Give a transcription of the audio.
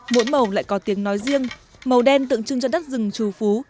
mỗi màu lại có tiếng nói riêng màu đen tượng trưng cho đất rừng trù phú